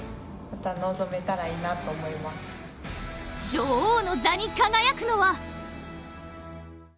女王の座に輝くのは：